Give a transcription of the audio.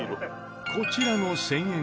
こちらの１０００円